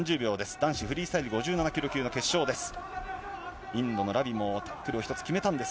男子フリースタイル５７キロ級の決勝です。